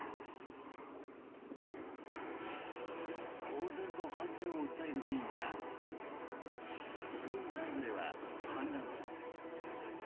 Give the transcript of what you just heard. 公然と反戦を訴える議員や軍内部では反乱も。